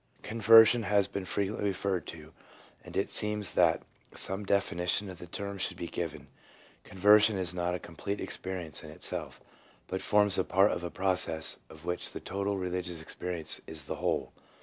Conversion has been frequently referred to, and it seems that some definition of the term should be given. Conversion is not a complete experience in itself, but forms a part of a process of which the total religious experience is the whole.